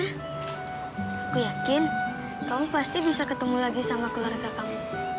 aku yakin kamu pasti bisa ketemu lagi sama keluarga kamu